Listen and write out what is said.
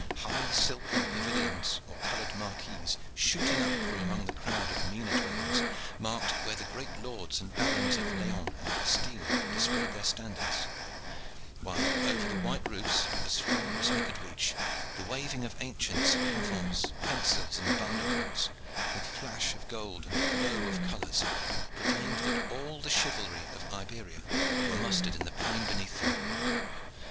High silken pavilions or colored marquees, shooting up from among the crowd of meaner dwellings, marked where the great lords and barons of Leon and Castile displayed their standards, while over the white roofs, as far as eye could reach, the waving of ancients, pavons, pensils, and banderoles, with flash of gold and glow of colors, proclaimed that all the chivalry of Iberia were mustered in the plain beneath them.